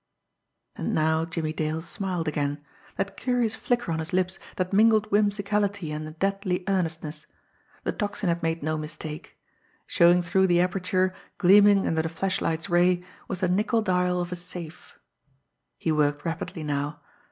And now Jimmie Dale smiled again that curious flicker on his lips that mingled whimsicality and a deadly earnestness. The Tocsin had made no mistake. Showing through the aperture, gleaming under the flashlight's ray, was the nickel dial of a safe. He worked rapidly now.